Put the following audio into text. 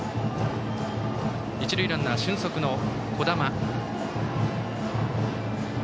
一塁ランナー、俊足の樹神。